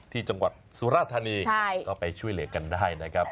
ที่จังหวัดสุราธานีก็ไปช่วยเหลือกันได้นะครับ